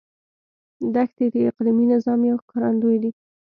دښتې د اقلیمي نظام یو ښکارندوی دی.